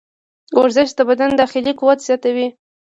ورزش د بدن داخلي قوت زیاتوي.